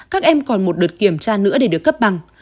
các em còn một đợt kiểm tra nữa để được cấp bằng